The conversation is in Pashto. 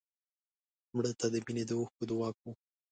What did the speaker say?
مړه ته د مینې د اوښکو دعا کوو